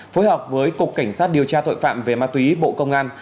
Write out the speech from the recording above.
phối hợp với cục cảnh sát điều tra tội phạm về ma túy bộ công an